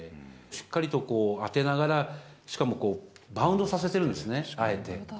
しっかりと当てながら、しかも、バウンドさせてるんですね、あえて。